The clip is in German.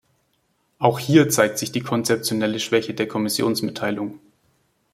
Auch hier zeigt sich die konzeptionelle Schwäche der Kommissionsmitteilung.